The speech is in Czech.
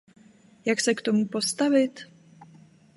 Jak se k tomu postavit?